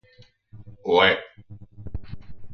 O e.